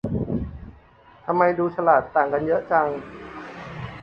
ทำไมดูฉลาดต่างกันเยอะจัง